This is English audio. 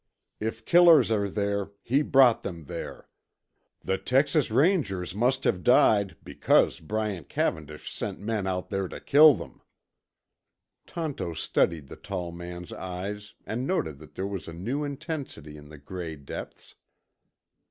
If killers are there, he brought them there. The Texas Rangers must have died because Bryant Cavendish sent men out to kill them." Tonto studied the tall man's eyes and noted that there was a new intensity in the gray depths.